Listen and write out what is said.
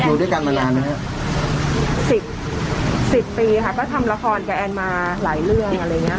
อยู่ด้วยกันมานานไหมฮะสิบสิบปีค่ะก็ทำละครกับแอนมาหลายเรื่องอะไรอย่างเงี้